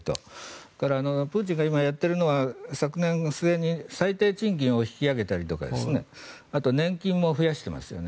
それから、プーチンが今やっているのは昨年末に最低賃金を引き上げたりあと、年金も引き上げてますね。